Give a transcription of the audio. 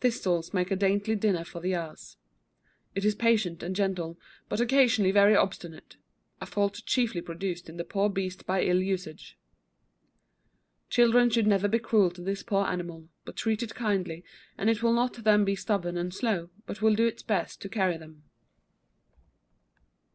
Thistles make a dainty dinner for the ass. It is patient and gentle, but occasionally very obstinate; a fault chiefly produced in the poor beast by ill usuage. Children should never be cruel to this poor animal, but treat it kindly, and it will not then be stubborn and slow, but will do its best to carry them.